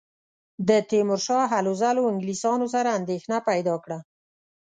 د تیمورشاه هلو ځلو انګلیسیانو سره اندېښنه پیدا کړه.